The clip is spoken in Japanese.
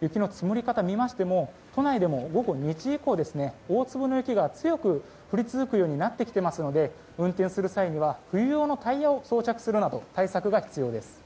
雪の積もり方を見ましても都内でも午後２時以降大粒の雪が強く降り続くようになってきていますので運転する際には冬用のタイヤを装着するなど対策が必要です。